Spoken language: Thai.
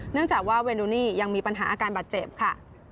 เนื่องจากว่าเวนูนี่ยังมีปัญหาอาการบาดเจ็บค่ะ